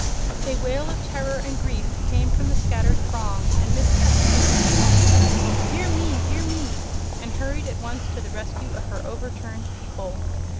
A wail of terror and grief came from the scattered throng, and Miss Cuttenclip exclaimed: "Dear me! dear me!" and hurried at once to the rescue of her overturned people.